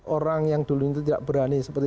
orang yang dulu itu tidak berani seperti